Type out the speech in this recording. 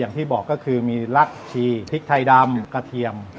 อย่างที่บอกก็คือมีรัดชีพริกไทยดำกระเทียม